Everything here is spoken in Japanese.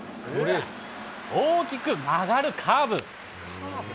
大きく曲がるカーブ。